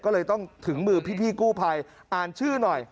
ก็เลยต้องถึงมือพี่กู้ภัยอ่านชื่อหน่อย